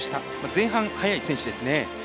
前半速い選手ですね。